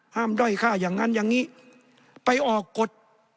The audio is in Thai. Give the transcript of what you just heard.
ด้อยฆ่าอย่างนั้นอย่างนี้ไปออกกฎ